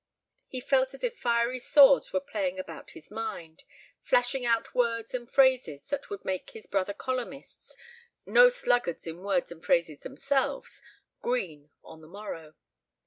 He felt as if fiery swords were playing about his mind, flashing out words and phrases that would make his brother columnists, no sluggards in words and phrases themselves, green on the morrow.